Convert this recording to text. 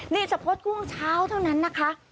นี่สมมติกุ้งเช้าเท่านั้นนะคะ